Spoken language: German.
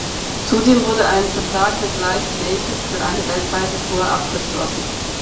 Zudem wurde ein Vertrag mit Live Nation für eine weltweite Tour abgeschlossen.